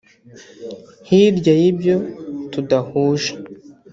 « Hirya y’ibyo tudahuje